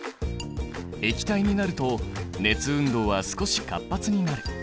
液体になると熱運動は少し活発になる。